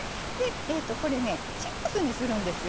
これねチップスにするんですよ。